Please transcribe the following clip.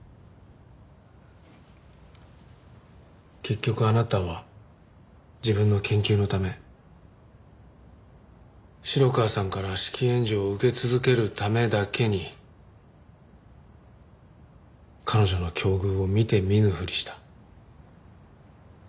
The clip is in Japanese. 結局あなたは自分の研究のため城川さんから資金援助を受け続けるためだけに彼女の境遇を見て見ぬふりした。